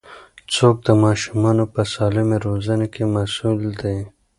څوک د ماشومانو په سالمې روزنې کې مسوول دي؟